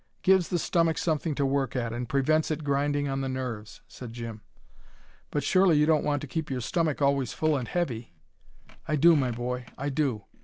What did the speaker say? "Gives the stomach something to work at, and prevents it grinding on the nerves," said Jim. "But surely you don't want to keep your stomach always full and heavy." "I do, my boy. I do.